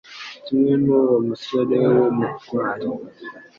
Kimwe n'uwo musore w'umutware,